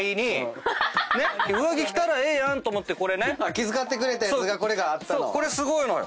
気遣ってくれたやつがこれがあったの。